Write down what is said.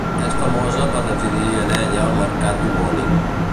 És famosa per residir en ella el mercat homònim.